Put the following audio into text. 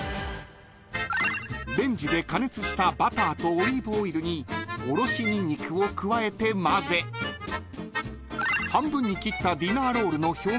［レンジで加熱したバターとオリーブオイルにおろしにんにくを加えて混ぜ半分に切ったディナーロールの表面に塗り